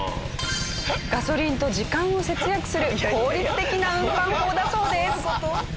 ガソリンと時間を節約する効率的な運搬法だそうです。